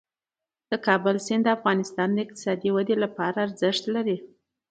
د کابل سیند د افغانستان د اقتصادي ودې لپاره ارزښت لري.